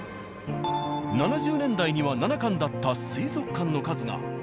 ７０年代には７館だった水族館の数が′